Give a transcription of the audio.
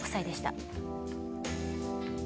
７６歳でした。